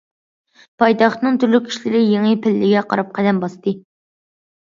پايتەختنىڭ تۈرلۈك ئىشلىرى يېڭى پەللىگە قاراپ قەدەم باستى.